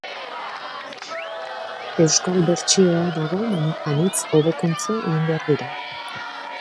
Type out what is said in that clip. Euskal bertsioa dago, baina anitz hobekuntza egin behar dira.